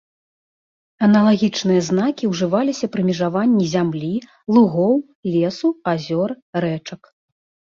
Аналагічныя знакі ўжываліся пры межаванні зямлі, лугоў, лесу, азёр, рэчак.